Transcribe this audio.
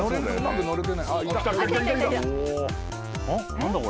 何だこれ？